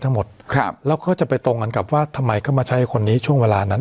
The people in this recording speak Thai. ทั้งหมดครับแล้วก็จะไปตรงกันกับว่าทำไมเข้ามาใช้คนนี้ช่วงเวลานั้น